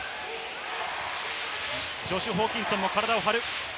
ジョシュ・ホーキンソンも体を張る。